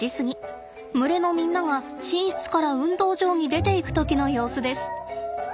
群れのみんなが寝室から運動場に出ていく時の様子です。